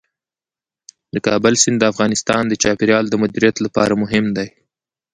د کابل سیند د افغانستان د چاپیریال د مدیریت لپاره مهم دی.